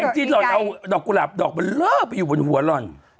เองจิ๊ดเราเอาดอกกุหลาบดอกเบลอไปอยู่บนหัวล่อน